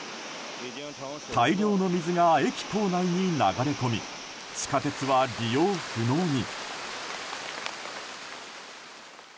大量の水が駅構内に流れ込み地下鉄は利用不能に。